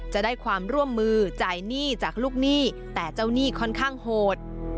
จะได้ความร่วมมือจ่ายหนี้จากลูกหนี้แต่เจ้าหนี้ค่อนข้างโหด